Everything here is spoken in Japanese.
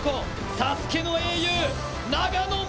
ＳＡＳＵＫＥの英雄長野誠